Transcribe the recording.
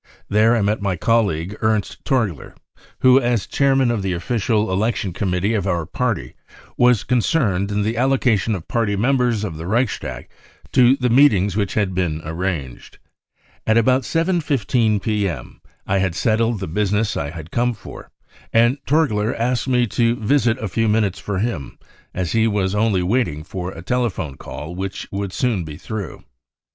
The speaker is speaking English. There I met my colleague Ernst Torgler, who as chairman of the official election committee of our Party was concerned in the^allocation of Party members of the Reichstag to the meetings which had been arranged. At about 7.15 p.m. I had settled the business I had come for, and Torgler asked me to wait a few minutes for him, as he was only waiting for a THE REAL INCENDIARIES C)I telephone call which would soon be through.